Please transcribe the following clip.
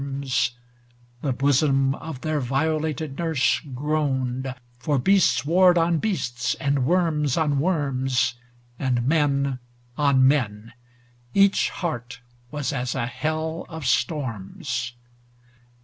POEMS WRITTEN IN 1820 383 The bosom of their violated nurse Groaned, for beasts warred on beasts, and worms on worms, And men on men; each heart was as a hell of storms.